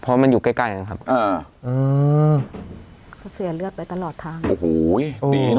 เพราะมันอยู่ใกล้ครับเสียเลือดไปตลอดทางโอ้โหดีนะ